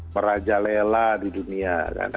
merajalela di dunia